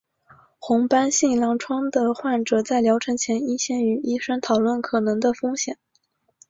红斑性狼疮的患者在疗程前应先与医生讨论可能的风险。